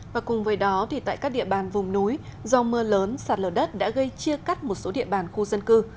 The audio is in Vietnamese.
và cùng với đó tại các địa bàn vùng núi do mưa lớn sạt lở đất đã gây chia cắt một số địa bàn khu dân cư